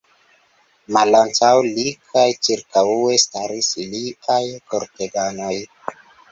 Malantaŭ li kaj ĉirkaŭe staris liaj korteganoj.